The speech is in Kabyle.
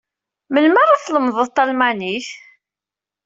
Melmi ara tlemdeḍ talmanit?